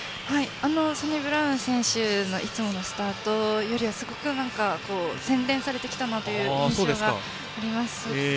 サニブラウン選手のいつものスタートよりはすごく洗練されてきたなという印象があります。